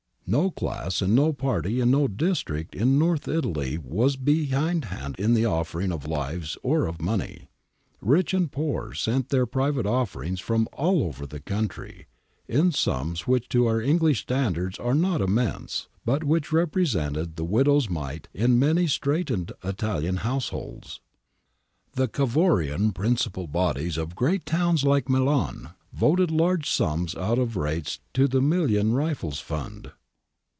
^ No class and no party and no district in North Italy was behindhand in the offering of lives or of money. Rich and poor sent their private offerings from all over the country, in sums which to our English standards are not immense, but which represented the widow's mite in many straitened Italian households.'^ The Cavourian municipal bodies of great towns like Milan voted large sums out of rates to the Million Rifles fund.